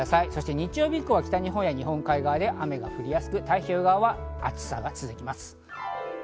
日曜日以降は北日本や日本海側で雨が降りやすく、太平洋側は暑さが続きます。